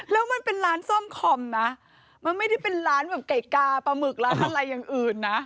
แล้วมันเป็นร้านซ่อมคอมนะมันไม่ได้เป็นร้านแบบไก่กาปลาหมึกร้านอะไรอย่างอื่นนะ